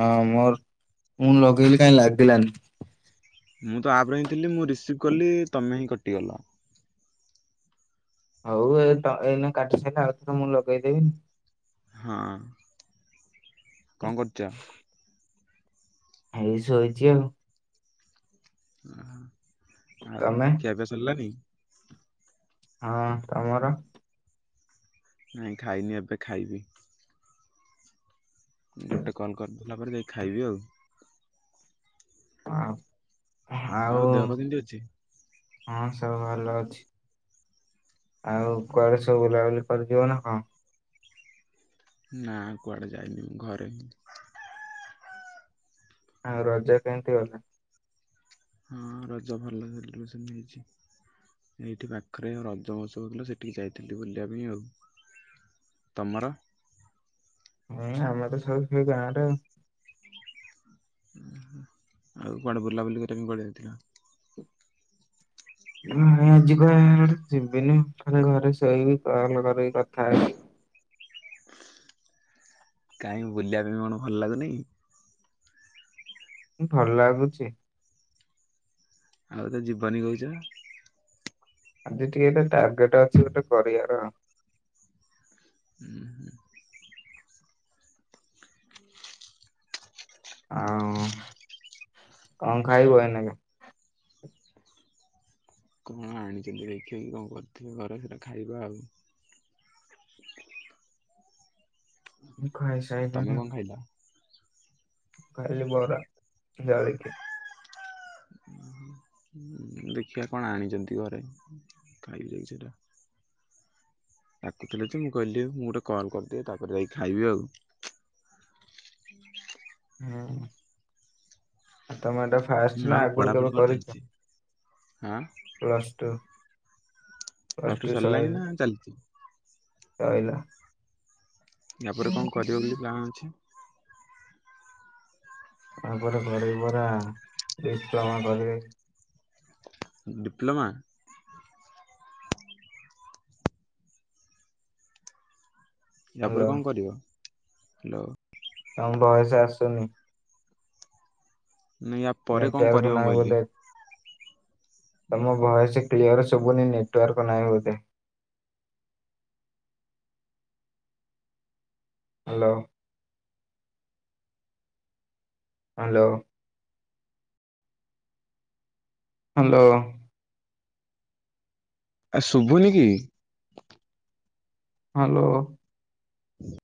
ହଁ ମୋର ମୁଁ ଲଗେଇଲିି କାହିଁ ଲାଗିଲାନି। ମୁଁ ତ ଆପ୍ ରେ ହିଁ ଥିଲି ମୁଁ ରିସିଭ୍ କଲି ତମେ ହିଁ କଟିଗଲ ହଉ ଏ ଏଇନେ କାଟି ସାରିଲେ ଆଉ ଥରେ ମୁଁ ଲଗେଇଦେବି ହଁ କଣ କରୁଚ? ଏଇ ସୋଇଛି ଆଉ ଆଉ ତମେ ଖିଆପିଆ ସରିଲାନି ହଁ ତମର ନାଇଁ ଖାଇନି ଏବେ ଖାଇବି ଗୋଟେ କଲ୍ କରିଦେଲା ପରେ ଯାଇକି ଖାଇବି ଆଉ ଆଉ ଆଉ ଦେହ ପା କେମିତି ଅଛି? ହଁ ସବୁ ଭଲ ଅଛି ଆଉ କୁଆଡେ ସବୁ ବୁଲାବୁଲି କରିଥିବ ନା କଣ? ନା କୁଆଡେ ଯାଇନି ମୁଁ ଘରେ ହି ଆଉ ରଜ କେମିତି ଗଲା ହଁ ରଜ ଭଲ ସେଲିବ୍ରେସନ ହେଇଛି। ଏଇଠି ପାଖରେ ରଜମହୋତ୍ସବ ହେଉଥିଲା ସେଠିକି ଯାଇଥିଲି ବୁଲିବା ପାଇଁ ଆଉ ତମର ହୁଁ ଆମର ତ ସବୁ ସେଇ ଗାଁରେ ଆଉ ଆଉ କୁଆଡେ ବୁଲା ବୁଲି କରିବା ପାଇଁ କୁଆଡ଼େ ଯାଇଥିଲ ହୁଁ ହୁଁ ଆଜି କୁଆଡେ ଯିବିନି ମୁଁ ଘରେ ଶୋଇବି କଲ୍ କରିକି କଥା ହେବି। କାଇଁ ବୁଲିବା ପାଇଁ କଣ ଭଲ ଲାଗୁନି ଭଲ ଲାଗୁଛି ଆଉ ତ ଯିବନି କହୁଚ। ଆଜି ଟିକେ ଏଟା ଟାର୍ଗେଟ୍ ଅଛି ଗୋଟେ କରିବାର। ହୁଁ ହୁଁ ଆଉ କଣ ଖାଇବୁ ଏଇନାକେ? କଣ ଆଣିଛନ୍ତି ଦେଖି କଣ କରିଥିବେ ଘରେ ସେଇଟା ଖାଇବା ଆଉ। ମୁଁ ତମେ ଖାଇସାଇଲିଣି। କଣ ଖାଇଲ? ଉଁ ଖାଲି ବରା ଜଳିଖିଆ। ଦେଖିବା କଣ ଆଣିଛନ୍ତି ଘରେ ଖାଇବି ଯାଇକି ସେଟା। ଡାକୁଥିଲେ ଯେ ମୁଁ କହିଲି ମୁଁ ଗୋଟେ କଲ୍ କରିଦିଏ ତାପରେ ଯାଇକି ଖାଇବି ଆଉ। ହୁଁ ତମେ ଏଟା ଫାଷ୍ଟ ନା ଆଗରୁ କେବେ କରିଚ? ଆଁ ପ୍ଲସ୍ ଟୁ। ପ୍ଲସ୍ ଟୁ ସରିଲାଣି ନା ଚାଲିଚି? କହିଲ। ୟାପରେ କଣ କରିବ ବୋଲି ପ୍ଲାନ୍ ଅଛି? ତାପରେ ଘରେ ପରା ଡିପ୍ଲମା କରିବେ। ଡିପ୍ଲୋମା? ୟା ପରେ ହାଲୋ କଣ କରିବ? ହ୍ୟାଲୋ। ତମ ଭଏସ୍ ଆସୁନି। ନାଇଁ ୟା ପରେ କଣ ନେଟୱାର୍କ କରିବ ମୁଁ ନାହିଁ କହିଲି? ବୋଧେ ତମ ଭୟସ୍ କ୍ଲିଅର ସୁଭୁନି ନେଟୱାର୍କ ନାହିଁ ବୋଧେ। ହ୍ୟାଲୋ। ହାଲୋ। ହାଲୋ। ଆରେ ଶୁଭୁନି କି? ହ୍ୟାଲୋ। ହଁ।